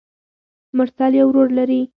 مرسل يو ورور لري.